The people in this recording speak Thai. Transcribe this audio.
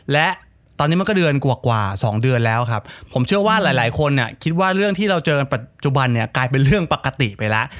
และตอนนี้มันก็เดือนกว่า๒เดือนแล้วครับผมเชื่อว่าหลายคนคิดว่าเรื่องที่เราเจอกันปัจจุบันเนี่ยกลายเป็นเรื่องปกติไปแล้ว